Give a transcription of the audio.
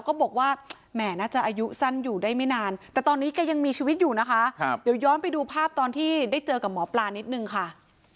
ทำไมหนักขนาดนี้นี่มันสะสมจัดแหละ